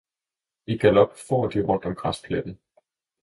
i galop fór de rundt om græspletten.